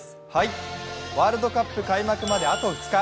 ワールドカップ開幕まであと２日。